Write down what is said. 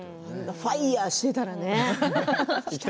ファイアしていたらね。